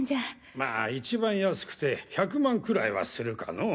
まあ一番安くて１００万くらいはするかのぉ。